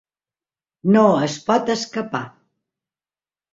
No es pot escapar.